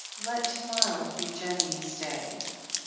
"Let to mor row be Jennie's day."